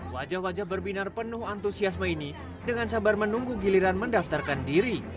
wajah wajah berbinar penuh antusiasme ini dengan sabar menunggu giliran mendaftarkan diri